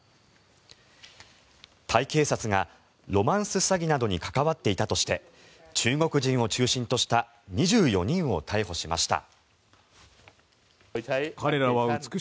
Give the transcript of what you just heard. タイ警察がロマンス詐欺などに関わっていたとして中国人を中心とした２４人を逮捕しました。